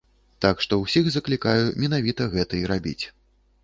Так што ўсіх заклікаю менавіта гэта і рабіць.